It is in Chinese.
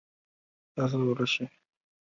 周柏豪小时候居住在青衣长康邨。